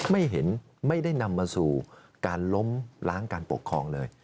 ไม่เห็นไม่ได้นำมาสู่การล้มล้างการปกครองเลย